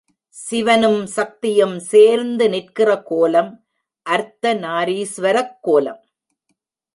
சிவனும் சக்தியும் சேர்ந்து நிற்கிற கோலம் அர்த்த நாரீசுவரக்கோலம்.